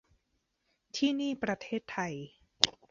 ที่นี่ประเทศไทย